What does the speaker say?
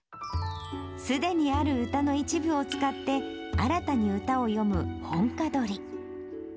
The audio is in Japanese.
すでにある歌の一部を使って、新たに歌を詠む本歌取り。